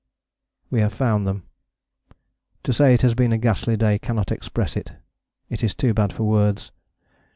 _ We have found them to say it has been a ghastly day cannot express it it is too bad for words.